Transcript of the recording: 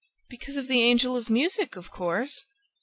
"Because of the Angel of Music, of course!